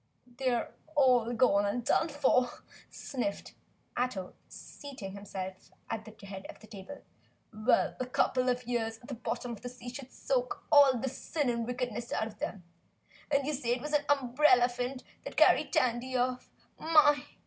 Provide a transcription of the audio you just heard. "Then they're all gone and done for," sniffed Ato, seating himself at the head of the table. "Well, a couple of hundred years at the bottom of the sea should soak all the sin and wickedness out of 'em! And you say it was an umbrellaphant that carried Tandy off? My!